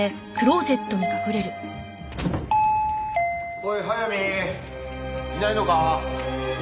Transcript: おい速水いないのか？